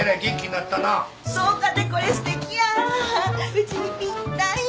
うちにぴったり。